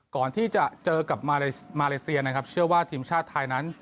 ก่อนที่จะเจอกับมาเลเซียนะครับเชื่อว่าทีมชาติไทยนั้น